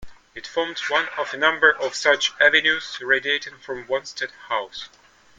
It formed one of a number of such avenues radiating from Wanstead House.